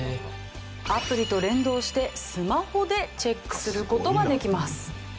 アプリと連動してスマホでチェックする事ができます。